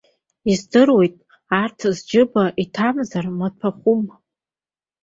Издыруеит арҭ зџьыба иҭамзар имаҭәахәым.